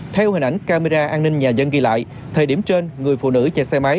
theo hình ảnh camera an ninh nhà dân ghi lại thời điểm trên người phụ nữ chạy xe máy